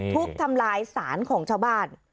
ทุบทำลายสารของชาวบ้าน